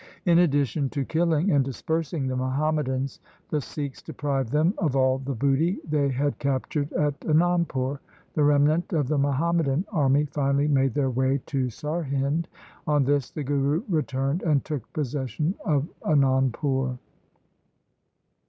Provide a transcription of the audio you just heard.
In addition to killing and dispersing the Muhammadans, the Sikhs deprived them of all the booty they had captured at Anandpur. The remnant of the Muham madan army finally made their way to Sarhind. On this the Guru returned and took possession of Anandpur.